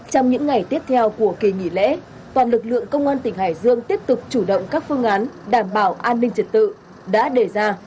trong những ngày tiếp theo của kỳ nghỉ lễ toàn lực lượng công an tỉnh hải dương tiếp tục chủ động các phương án đảm bảo an ninh trật tự đã đề ra